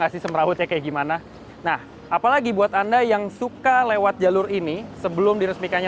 gak sih semrahutnya kayak gimana nah apalagi buat anda yang suka lewat jalur ini sebelum diresmikan